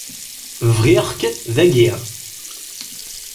Bɣiɣ-k dagi.